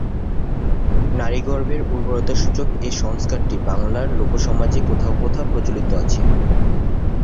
নারীগর্ভের উর্বরতাসূচক এ সংস্কারটি বাংলার লোকসমাজে কোথাও কোথাও প্রচলিত আছে।